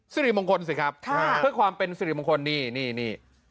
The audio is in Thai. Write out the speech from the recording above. สิริมงคลสิครับเพื่อความเป็นสิริมงคลนี่นี่